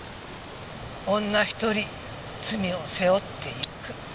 女一人罪を背負っていく。